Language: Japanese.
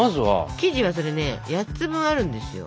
生地はそれね８つ分あるんですよ。